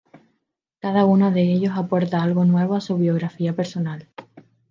Cada uno de ellos aporta algo nuevo a su biografía personal.